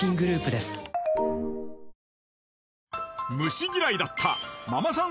虫嫌いだったママさん